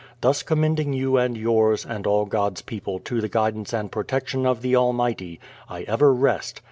Thus commending you and yours and all God's people to the guidance and protection of the Al mighty, I ever rest.